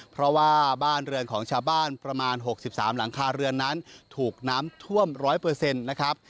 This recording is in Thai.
เพราะว่าบ้านเรือนของชาวบ้านประมาณ๖๓หลังคาเรือนนั้นถูกน้ำท่วม๑๐๐นะครับ